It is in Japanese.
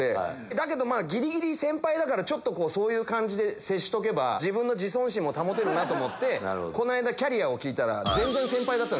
だけどギリギリ先輩だからそういう感じで接しとけば自分の自尊心も保てるなと思ってこの間キャリアを聞いたら。